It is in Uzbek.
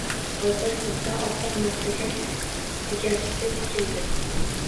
Botir firqa oppoq narsaga tigashdi-tikildi